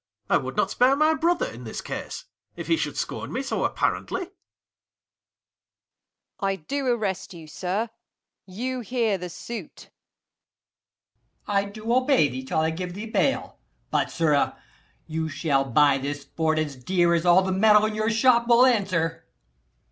I would not spare my brother in this case, If he should scorn me so apparently. Off. I do arrest you, sir: you hear the suit. Ant. E. I do obey thee till I give thee bail. 80 But, sirrah, you shall buy this sport as dear As all the metal in your shop will answer.